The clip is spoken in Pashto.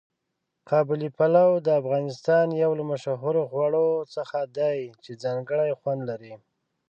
قابلي پلو د افغانستان یو له مشهورو خواړو څخه دی چې ځانګړی خوند لري.